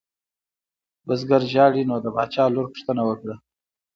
بزګر ژاړي نو د باچا لور پوښتنه وکړه.